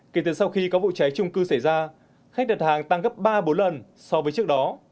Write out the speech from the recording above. kể từ sau khi có vụ cháy trung cư xảy ra khách đặt hàng tăng gấp ba bốn lần so với trước đó